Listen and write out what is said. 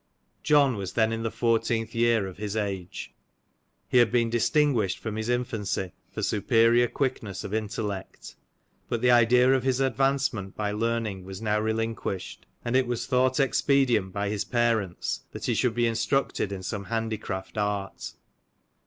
John was then in the fourteenth year of his age ; he had been distinguished from his infancy for superior quickness of intellect ; but the idea of his advancement by learning was now relinquished, and it was thought expedient by his parents, that he should be instructed in some handi craft art.